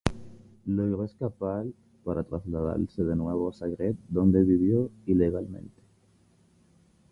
Logró escapar, para trasladarse de nuevo a Zagreb, donde vivió ilegalmente.